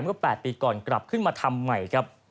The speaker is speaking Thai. เมื่อ๘ปีก่อนกลับขึ้นมาทำใหม่ครับ